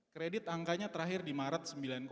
kredit angkanya terakhir di maret sembilan